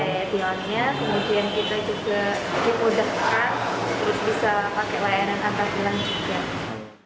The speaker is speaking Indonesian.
kemudian kita juga memudahkan terus bisa pakai layanan antar tilang juga